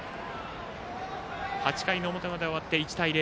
８回の表まで終わって１対０。